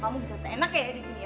kamu bisa seenak ya disini ya